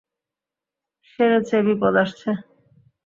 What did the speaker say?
সেরেছে, বিপদ আসছে।